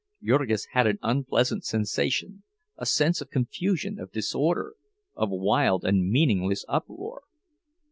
Jurgis had an unpleasant sensation, a sense of confusion, of disorder, of wild and meaningless uproar.